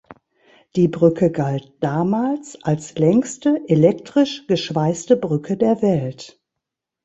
Die Brücke galt damals als längste elektrisch geschweißte Brücke der Welt.